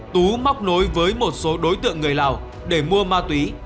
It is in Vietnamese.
tú móc nối với một số đối tượng người lào để mua ma túy